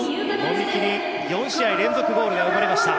籾木に４試合連続ゴールが生まれました。